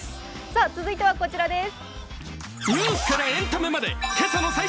続いてはこちらです。